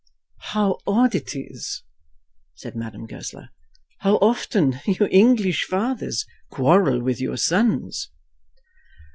"How odd it is," said Madame Goesler; "how often you English fathers quarrel with your sons!"